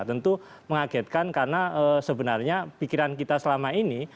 tentu mengagetkan karena sebenarnya pikiran kita selama ini